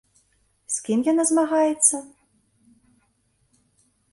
З кім яна змагаецца?